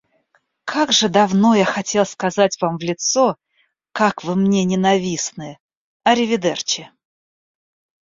Как же давно я хотел сказать вам в лицо, как вы мне ненавистны. Аривидерчи!